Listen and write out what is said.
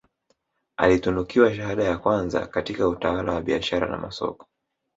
Alitunukiwa shahada ya kwanza katika utawala wa biashara na masoko